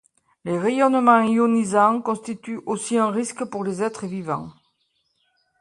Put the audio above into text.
Les rayonnements ionisants constituent aussi un risque pour les êtres vivants.